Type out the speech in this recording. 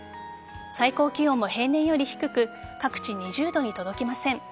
最高気温も平年より低く各地、２０度に届きません。